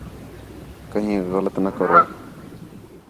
کہنیک غلط نہ کرو